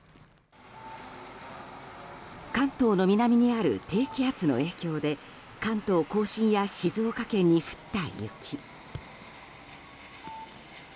関東の南にある低気圧の影響で関東・甲信や静岡県に降った雪。